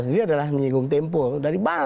sendiri adalah menyinggung tempul dari mana